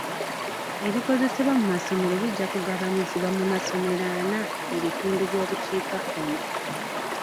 Ebikozesebwa mu masomero bijja kugabanyizibwa mu masomero ana mu bitundu by'obukiikakkono.